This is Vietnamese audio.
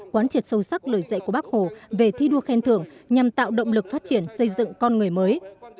quán triệt sâu sắc lời dạy của bác hồ về thi đua khen thưởng nhằm tạo động lực phát triển xây dựng con người mới